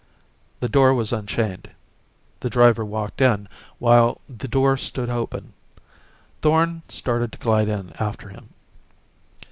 The door was unchained. The driver walked in, while the door stood open. Thorn started to glide in after him....